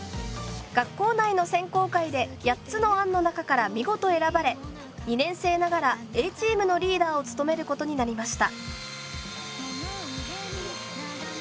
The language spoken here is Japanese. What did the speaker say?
学校内の選考会で８つの案の中から見事選ばれ２年生ながらＡチームのリーダーを務めることになりました。